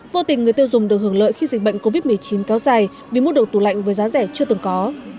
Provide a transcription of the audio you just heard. vô tình người tiêu dùng được hưởng lợi khi dịch bệnh covid một mươi chín kéo dài vì mua được tủ lạnh với giá rẻ chưa từng có